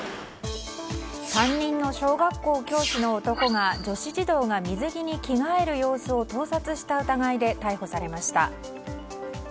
担任の小学校教師の男が女子児童が水着に着替える様子を盗撮した疑いで逮捕されました。